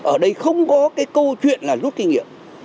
ở đây không có cái câu chuyện là rút kinh nghiệm